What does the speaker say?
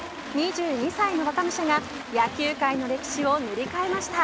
２２歳の若武者が野球界の歴史を塗り替えました。